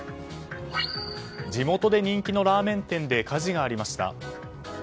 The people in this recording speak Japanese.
地元で人気のラーメン店で火事がありました。